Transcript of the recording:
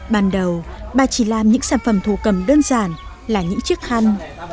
ban đầu bà chỉ làm những sản phẩm thổ cầm đơn giản là những chiếc khăn